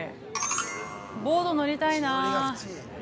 ボート、乗りたいな。